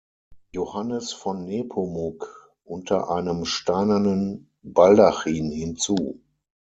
Johannes von Nepomuk unter einem steinernen Baldachin hinzu.